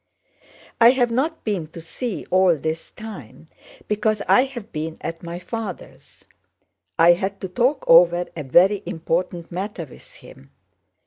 "I have not been to see you all this time because I have been at my father's. I had to talk over a very important matter with him.